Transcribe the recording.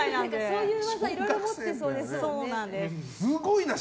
そういう技いろいろ持ってそうですね。